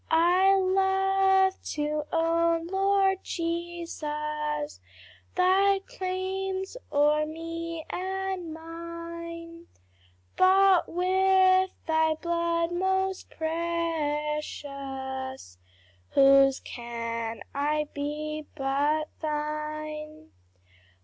I love to own, Lord Jesus, Thy claims o'er me and mine, Bought with thy blood most precious, Whose can I be but thine!